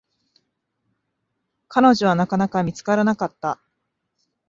彼女は、なかなか見つからなかった。